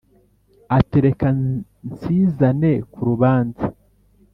Ati: "Reka nsizane ku rubanza,